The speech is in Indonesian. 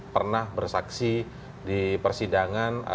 pernah bersaksi di persidangan